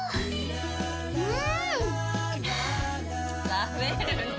食べるねぇ。